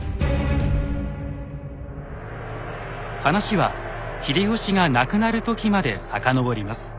話は秀吉が亡くなる時まで遡ります。